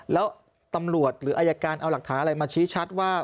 แล้วตำรวจหรืออายการเอาหลักฐานอะไรมาชี้ชัดว่า